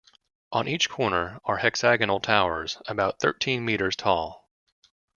On each corner are hexagonal towers, about thirteen meters tall.